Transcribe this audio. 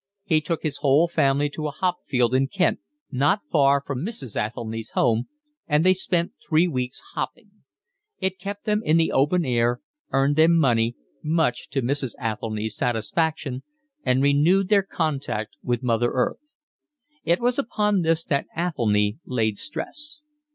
He took his whole family to a hop field in Kent, not far from Mrs. Athelny's home, and they spent three weeks hopping. It kept them in the open air, earned them money, much to Mrs. Athelny's satisfaction, and renewed their contact with mother earth. It was upon this that Athelny laid stress.